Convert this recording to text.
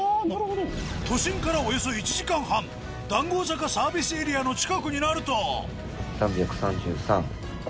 都心からおよそ１時間半談合坂サービスエリアの近くになると３３３５。